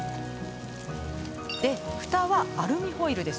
で、ふたはアルミホイル。